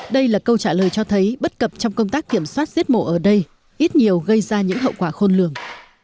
đây là câu trả lời cho thấy bất cập trong công tác kiểm soát giết mổ ở đây ít nhiều gây ra những hậu quả khôn lường